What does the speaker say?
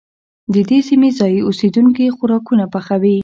د دې سيمې ځايي اوسيدونکي خوراکونه پخوي.